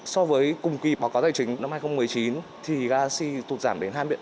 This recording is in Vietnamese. so với cùng kỳ báo cáo tài chính năm hai nghìn một mươi chín thì galaxy tụt giảm đến hai mươi